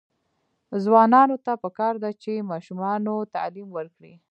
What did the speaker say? ځوانانو ته پکار ده چې، ماشومانو تعلیم ورکړي.